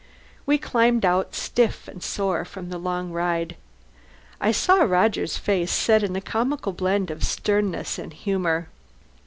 We climbed out, stiff and sore from the long ride. I saw Roger's face set in a comical blend of sternness and humour.